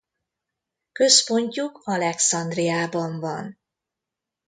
Központjuk Alexandriában van.